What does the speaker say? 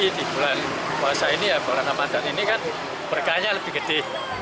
di bulan puasa ini ya bulan ramadan ini kan berkahnya lebih gede